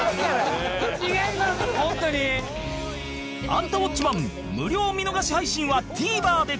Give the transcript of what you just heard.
『アンタウォッチマン！』無料見逃し配信は ＴＶｅｒ で